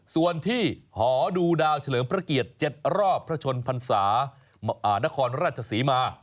ส่วนที่หอดูดาวเฉลิมพระเกียรติ๗รอบพระชนพรรษานครราชศรีมา